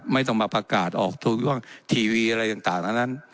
ไม่ต้องมาประกาศออกทุกช่วงทีวีอะไรต่างทั้งนั้น